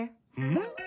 ん？